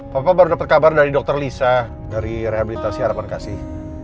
papa baru dapat kabar dari dokter lisa dari rehabilitasi harapan kasih